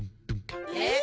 えっ？